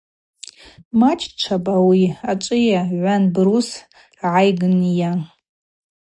Мачӏчвапӏ ауи, ачӏвыйа – гӏван брус гӏайгын-йа.